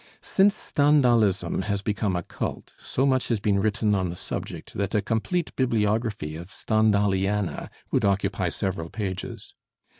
Since Stendhalism has become a cult, so much has been written on the subject that a complete bibliography of Stendhaliana would occupy several pages.